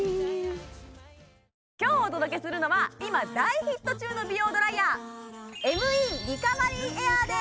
今日お届けするのは今大ヒット中の美容ドライヤーＭＥリカバリーエアーです！